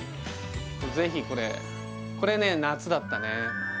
ぜひこれこれね夏だったね